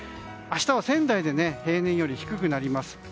明日は仙台で平年より低くなります。